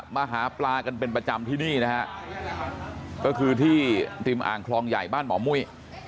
มาหาปลากันเป็นประจำที่นี่นะฮะก็คือที่ริมอ่างคลองใหญ่บ้านหมอมุ้ย